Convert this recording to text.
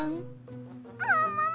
ももも！